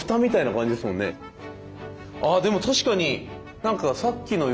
あでも確かに何かさっきのよりも。